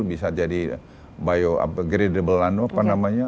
bisa jadi biopgradable apa namanya